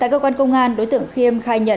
đối tượng kháng dùng kiềm cộng lực mang theo